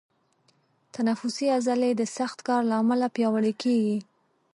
تنفسي عضلې د سخت کار له امله پیاوړي کېږي.